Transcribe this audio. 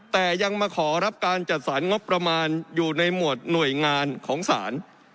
แต่ยังมาขอรับการจัดสรรงบประมาณอยู่ในหมวดหน่วยงานของศาล